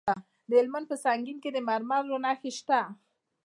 د هلمند په سنګین کې د مرمرو نښې شته.